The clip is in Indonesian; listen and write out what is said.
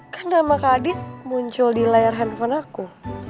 kan nama kak adit muncul di layar handphone aku